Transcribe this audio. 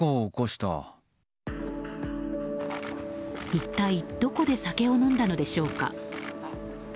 一体どこで酒を飲んだのでしょうか。